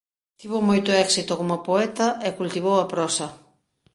Tivo moito éxito como poeta e cultivou a prosa.